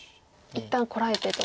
一旦こらえてと。